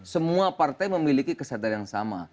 semua partai memiliki kesadaran yang sama